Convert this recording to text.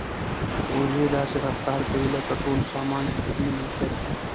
وزې داسې رفتار کوي لکه ټول سامان چې د دوی ملکیت وي.